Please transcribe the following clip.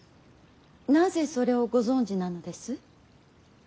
なぜそれをご存じなのです。